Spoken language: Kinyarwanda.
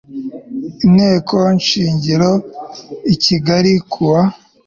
Nteko Shingiro I Kigali kuwa